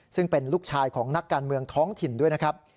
ซึ่งเป็นลูกชายของนักการเมืองท้องถิ่นด้วยนะครับ